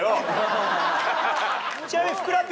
ちなみにふくらＰ